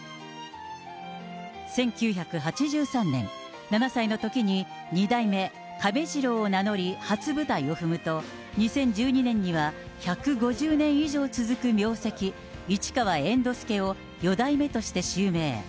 １９８３年、７歳のときに、二代目亀治郎を名乗り初舞台を踏むと、２０１２年には、１５０年以上続く名跡、市川猿之助を四代目として襲名。